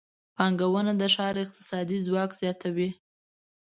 پانګونه د ښار اقتصادي ځواک زیاتوي.